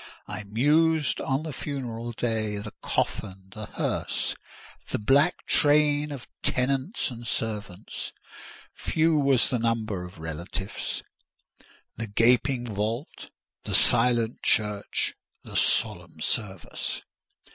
I mused on the funeral day, the coffin, the hearse, the black train of tenants and servants—few was the number of relatives—the gaping vault, the silent church, the solemn service.